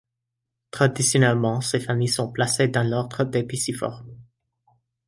Traditionnellement, ses familles sont placées dans l'ordre des Piciformes.